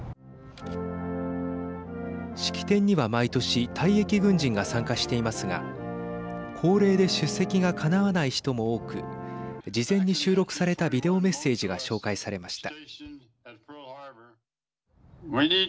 式典には毎年退役軍人が参加していますが高齢で出席がかなわない人も多く事前に収録されたビデオメッセージが紹介されました。